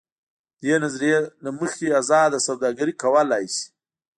دې نظریې له مخې ازاده سوداګري کولای شي.